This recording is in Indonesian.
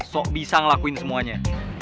sok bisa ngelakuin semuanya